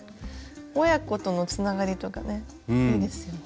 親子とのつながりとかねいいですよね。